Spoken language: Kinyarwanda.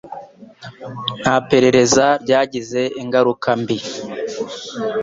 nta perereza ryagize ingaruka mbi"